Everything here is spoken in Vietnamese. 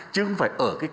chứ không phải ở cái cao